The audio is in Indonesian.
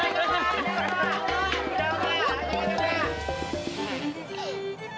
pancing cukur aja